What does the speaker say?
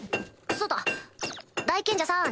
そうだ大賢者さん